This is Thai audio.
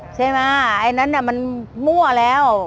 รถยังไม่มาใช่ไหมไอ้นั้นมันมั่วแล้ว